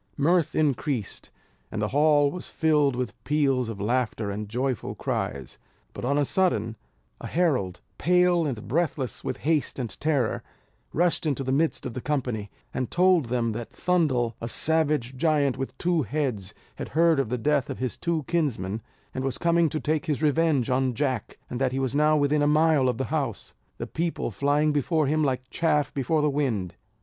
Mirth increased, and the hall was filled with peals of laughter and joyful cries. But, on a sudden, a herald, pale and breathless with haste and terror, rushed into the midst of the company, and told them that Thundel, a savage giant with two heads, had heard of the death of his two kinsmen, and was come to take his revenge on Jack; and that he was now within a mile of the house; the people flying before him like chaff before the wind.